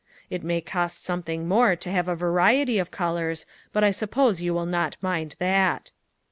It may cost something more to have a variety of colors, but I suppose you will not mind that."